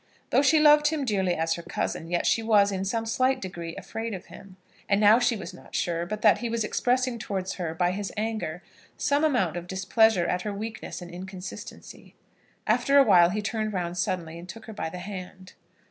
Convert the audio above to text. Though she loved him dearly as her cousin, yet she was, in some slight degree, afraid of him. And now she was not sure but that he was expressing towards her, by his anger, some amount of displeasure at her weakness and inconsistency. After a while he turned round suddenly, and took her by the hand.